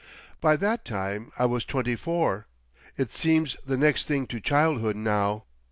By that time I was twenty four. It seems the next thing to childhood now.